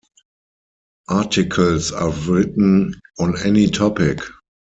Articles are written on any topic.